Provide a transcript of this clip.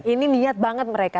ini niat banget mereka